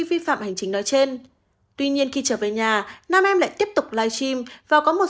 vi phạm hành chính nói trên tuy nhiên khi trở về nhà nam em lại tiếp tục live stream và có một